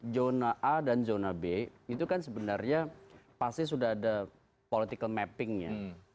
zona a dan zona b itu kan sebenarnya pasti sudah ada political mappingnya